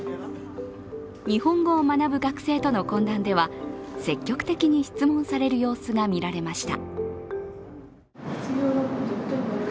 日本語を学ぶ学生との懇談では積極的に質問される様子がみられました。